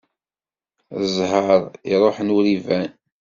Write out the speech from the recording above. Ẓẓher iruḥen ur iban.